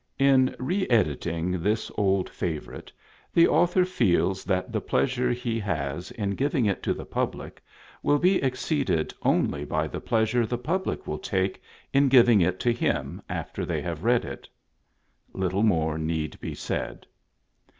IN re editing this old favorite, the author feels that the pleasure he has in giving it to the public will be exceeded only by the pleasure the public will take in giving it to him after they have read it. Little more need be said.